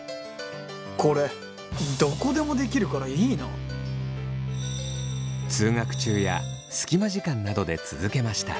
これどこでもできるからいいな通学中や隙間時間などで続けました。